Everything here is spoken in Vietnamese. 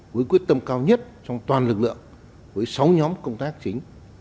với quyết tâm cao nhất trong toàn lực lượng với sáu nhóm công tác chính